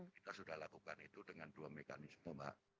kita sudah lakukan itu dengan dua mekanisme mbak